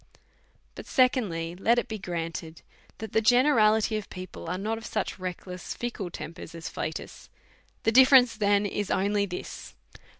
But, secondly, let it be granted that the generality of people are not of such restless, fickle tempers as Flatus ; the difterence then is only this.